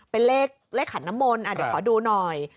เป็นเลขขันน้ำมนต์เดี๋ยวขอดูหน่อย